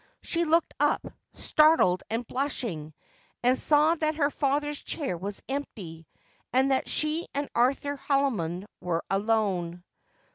She looked up, startled and blushing, and saw that her father's chair was empty, and that she and Arthur Haldimond were alone.